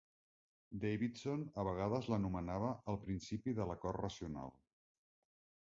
Davidson a vegades l'anomenava "el principi de l'acord racional".